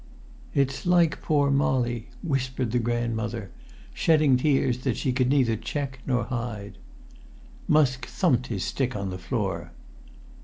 "It's like poor Molly," whimpered the grandmother, shedding tears that she could neither check nor hide. Musk thumped his stick on the floor.